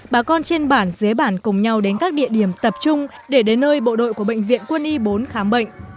bà con trên bản dưới bản cùng nhau đến các địa điểm tập trung để đến nơi bộ đội của bệnh viện quân y bốn khám bệnh